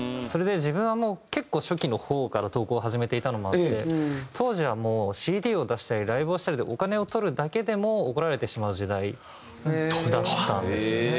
それで自分はもう結構初期の方から投稿を始めていたのもあって当時はＣＤを出したりライブをしたりとかお金を取るだけでも怒られてしまう時代だったんです。